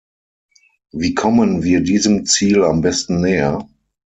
Wie kommen wir diesem Ziel am besten näher?